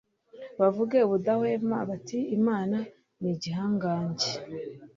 bavuge ubudahwema bati imana ni igihangange